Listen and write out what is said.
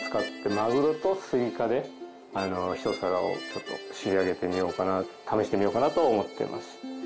マグロとスイカで一皿を仕上げてみようかな試してみようかなと思っています。